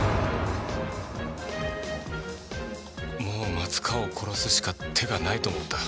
もう松川を殺すしか手がないと思った。